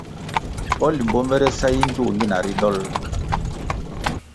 O Limbo mere sa yi ndtoh nyina ri dolʼ?